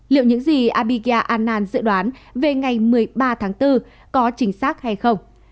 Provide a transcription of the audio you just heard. liệu những gì abhigya anand dự đoán về ngày một mươi ba tháng bốn có chính xác hay không